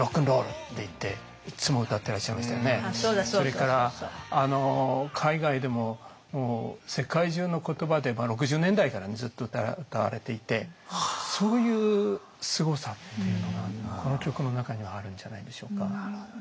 それから海外でも世界中の言葉で６０年代からねずっと歌われていてそういうすごさっていうのがこの曲の中にはあるんじゃないでしょうか。